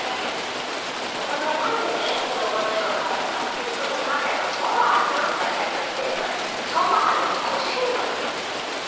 これは何でね馬の絵を描いたかっていうとこの辺りの相馬藩ってのが昔ありまして相馬藩の御神馬なんだって。